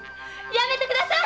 やめてください！